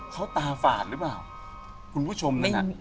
เขาตาฝาดหรือเปล่าคุณผู้ชมนั่นน่ะ